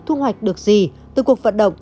thu hoạch được gì từ cuộc vận động